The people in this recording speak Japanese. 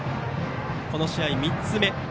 この試合、３つ目。